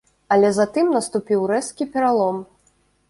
Але затым наступіў рэзкі пералом.